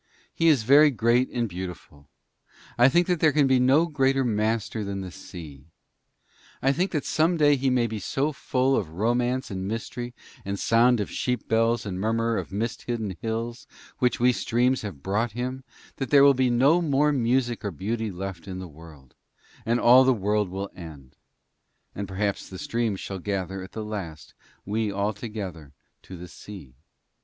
He is very great and beautiful. I think that there can be no greater master than the sea. I think that some day he may be so full of romance and mystery and sound of sheep bells and murmur of mist hidden hills, which we streams shall have brought him, that there will be no more music or beauty left in the world, and all the world will end; and perhaps the streams shall gather at the last, we all together, to the sea.